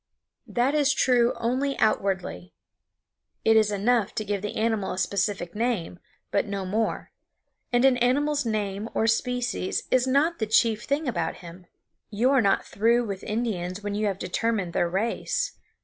That is true only outwardly. It is enough to give the animal a specific name, but no more; and an animal's name or species is not the chief thing about him. You are not through with Indians when you have determined their race.